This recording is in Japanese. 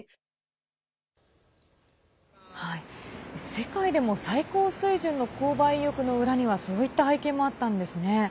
世界でも最高水準の購買意欲の裏にはそういった背景もあったんですね。